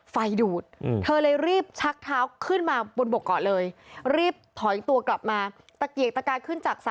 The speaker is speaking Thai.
ไฟดูดเธอเลยรีบชักเท้าขึ้นมาบนบกรอบเลย